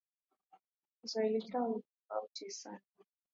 Kiswahili chao ni tofauti sana